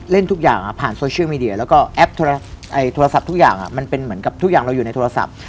เล่นทุกอย่างผ่านโซเชียลมีเดียแล้วก็แอปโทรศัพท์ทุกอย่างมันเป็นเหมือนกับทุกอย่างเราอยู่ในโทรศัพท์